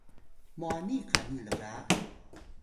mwani qani lga